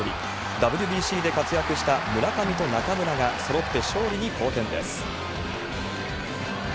ＷＢＣで活躍した村上と中村が、そろって勝利に貢献です。